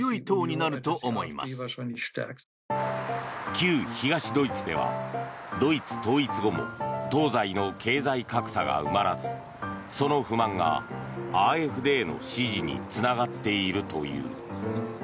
旧東ドイツではドイツ統一後も東西の経済格差が埋まらずその不満がＡｆＤの支持につながっているという。